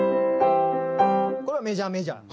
これはメジャーメジャー。